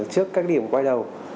trước các điểm quay đầu